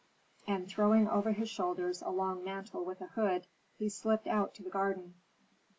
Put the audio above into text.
And throwing over his shoulders a long mantle with a hood, he slipped out to the garden.